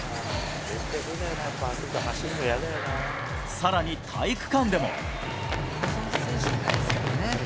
さらに体育館でも。